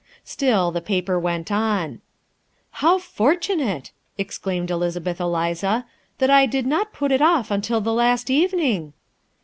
Still the paper went on. "How fortunate," exclaimed Elizabeth Eliza, "that I did not put it off till the last evening!"